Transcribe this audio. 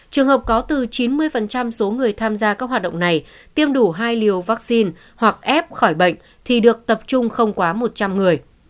trường hợp có từ chín mươi số người tham gia các hoạt động này tiêm đủ hai liều vaccine hoặc ép khỏi bệnh thì được tập trung không quá một trăm linh người